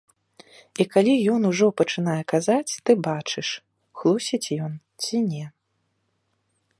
І калі ён ужо пачынае казаць, ты бачыш, хлусіць ён ці не.